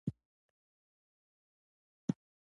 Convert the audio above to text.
موږ تر پایه پر خپله دغه پرېکړه ودرېدو